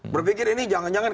berpikir ini jangan jangan